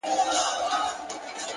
د کلي حوري په ټول کلي کي لمبې جوړي کړې؛